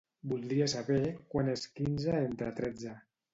Voldria saber quant és quinze entre tretze.